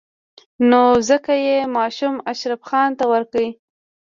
نو ځکه يې ماشوم اشرف خان ته ورکړ.